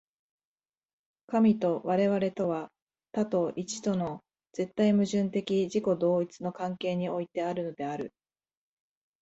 神と我々とは、多と一との絶対矛盾的自己同一の関係においてあるのである。